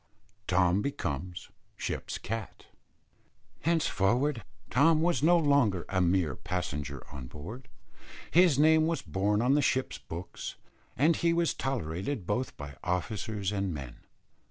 TOM BECOMES SHIP'S CAT. Henceforward Tom was no longer a mere passenger on board; his name was borne on the ship's books, and he was tolerated both by officers and men.